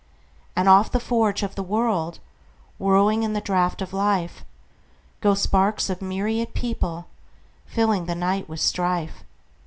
And off the forge of the world, Whirling in the draught of life, Go sparks of myriad people, fillingThe night with strife.